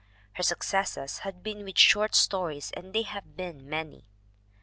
Her successes have been with short stories, and they have been many.